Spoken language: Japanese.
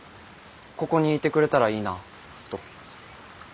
ここにいてくれたらいいなと。